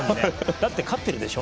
だって勝ってるでしょ？